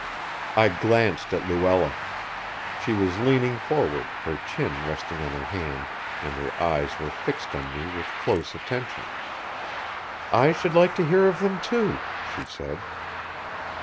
I glanced at Luella. She was leaning forward, her chin resting on her hand, and her eyes were fixed on me with close attention. "I should like to hear of them, too," she said.